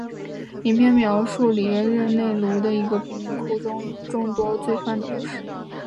影片描述里约热内卢的一个贫民窟中的众多犯罪故事。